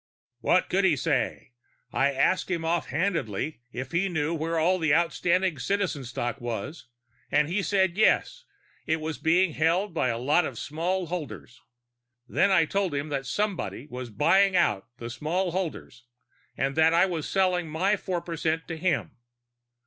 "What could he say? I asked him offhandedly if he knew where all the outstanding Citizen stock was, and he said yes, it was being held by a lot of small holders. And then I told him that somebody was buying out the small holders, and that I was selling my four percent to him.